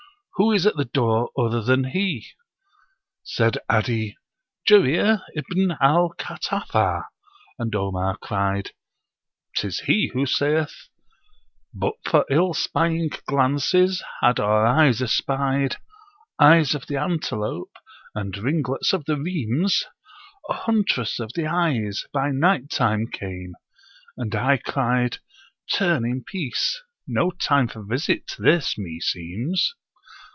Who is at the door other than he?" Said 'Adi, "Jarir Ibn al Khatafah." And Omar cried, "Tis he who saith: 'But for ill spying glances, had our eyes espied Eyes of the antelope, and ringlets of the Reems! A Huntress of the eyes, by night time came; and I cried, "Turn in peace! No time for visit this, meseems."'